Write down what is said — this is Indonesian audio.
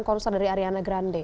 konser dari ariana grande